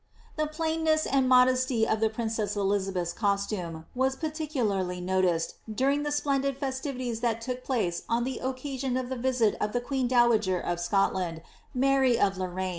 The plainness and modesty of the princess Elizabeth's costume, was particularly noticed, during the splendid festivities that took place on the occasion of the visit of the queen dowager of Scotland, JVIary of Lor* * Tytler's Rtlward and Mary, vol.